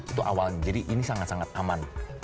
itu awalnya jadi ini sangat sangat aman